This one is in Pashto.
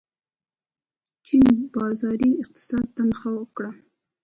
چین بازاري اقتصاد ته مخه کړه.